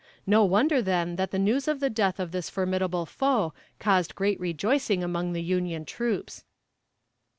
No wonder then that the news of the death of this formidable foe caused great rejoicing among the Union troops.